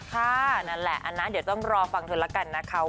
นั่นแหละอันนั้นเดี๋ยวต้องรอฟังเธอแล้วกันนะคะ